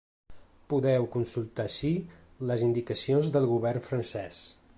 Podeu consultar ací les indicacions del govern francès.